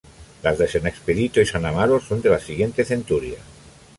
Las de san Expedito y san Amaro lo son de la siguiente centuria.